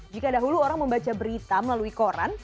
jika dahulu orang membaca berita melalui koran